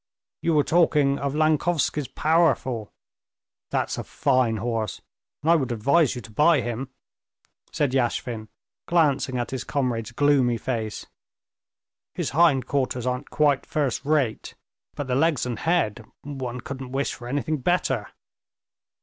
"You were talking of Lankovsky's Powerful. That's a fine horse, and I would advise you to buy him," said Yashvin, glancing at his comrade's gloomy face. "His hind quarters aren't quite first rate, but the legs and head—one couldn't wish for anything better."